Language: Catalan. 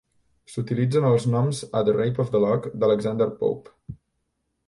S'utilitzen els gnoms a "The Rape of the Lock" d'Alexander Pope.